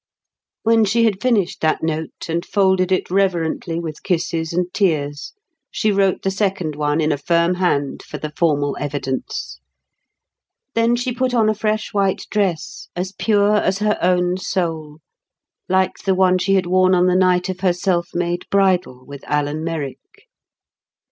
When she had finished that note, and folded it reverently with kisses and tears, she wrote the second one in a firm hand for the formal evidence. Then she put on a fresh white dress, as pure as her own soul, like the one she had worn on the night of her self made bridal with Alan Merrick.